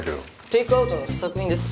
テイクアウトの試作品です。